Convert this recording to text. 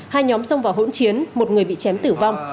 hai nhóm xông vào hỗn chiến một người bị chém tử vong